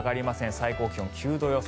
最高気温、９度予想。